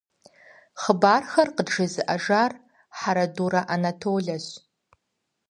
Хъыбархэр къыджезыӀэжар Хьэрэдурэ Анатолэщ.